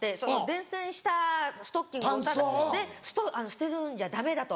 伝線したストッキングをただ捨てるんじゃダメだと。